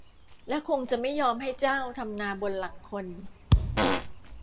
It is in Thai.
และคงจะไม่ยอมให้เจ้าทำนาบนหลังคน